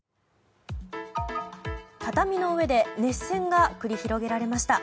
畳の上で熱戦が繰り広げられました。